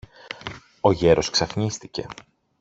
Ο γέρος ξαφνίστηκε.